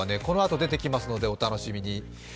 このあと出てきますのでお楽しみに。